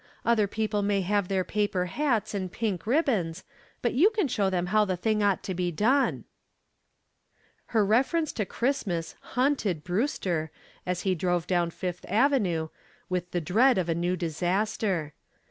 Other people may have their paper hats and pink ribbons, but you can show them how the thing ought to be done." Her reference to Christmas haunted Brewster, as he drove down Fifth Avenue, with the dread of a new disaster.